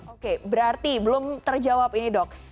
oke berarti belum terjawab ini dok